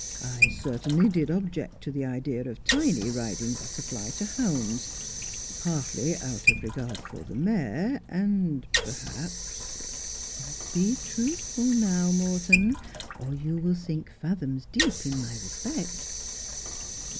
I certainly did object to the idea of Tiny riding Butterfly to hounds : partly out of regard for the mare, and perhaps '' Be truthful, now, Morton, or you will sink fathoms deep in my respect.'